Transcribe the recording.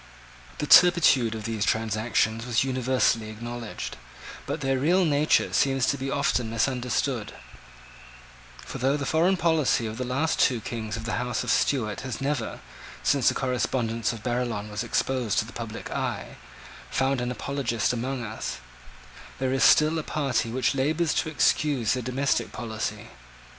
The turpitude of these transactions is universally acknowledged: but their real nature seems to be often misunderstood: for though the foreign policy of the last two Kings of the House of Stuart has never, since the correspondence of Barillon was exposed to the public eye, found an apologist among us, there is still a party which labours to excuse their domestic policy.